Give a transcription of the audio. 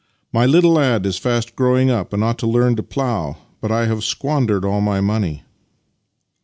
" My little lad is fast growing up and ought to learn to plough, but I have squandered all my money."